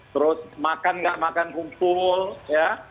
terus makan nggak makan kumpul ya